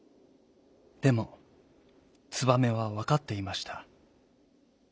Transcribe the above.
でもツバメはわかっていました。